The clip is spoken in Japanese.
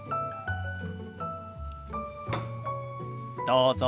どうぞ。